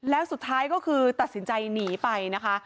แล้วสุดท้ายก็คือตัดสินใจหนีไปนะคะ